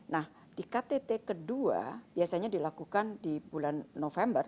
nah di ktt kedua biasanya dilakukan di bulan november